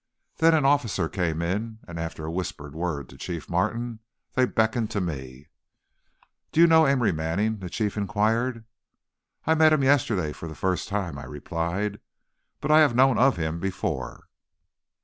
Then an officer came in, and after a whispered word to Chief Martin they beckoned to me. "Do you know Amory Manning?" the Chief inquired. "I met him yesterday for the first time," I replied, "but I have known of him before."